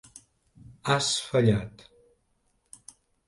Has fallat.